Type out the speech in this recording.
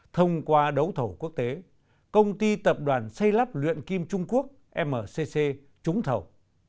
thông qua đấu thầu quốc tế công ty tập đoàn xây lắp luyện kim trung quốc mcc trúng thầu